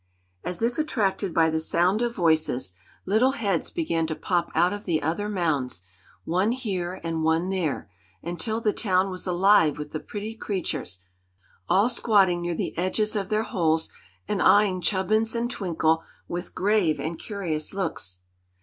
As if attracted by the sound of voices, little heads began to pop out of the other mounds one here and one there until the town was alive with the pretty creatures, all squatting near the edges of their holes and eyeing Chubbins and Twinkle with grave and curious looks.